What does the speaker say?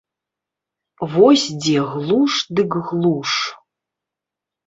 Вось дзе глуш дык глуш.